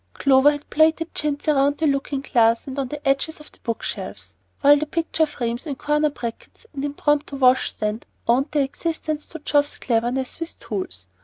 Clover had plaited the chintz round the looking glass and on the edges of the book shelves, while the picture frames, the corner brackets, and the impromptu washstand owed their existence to Geoff's cleverness with tools.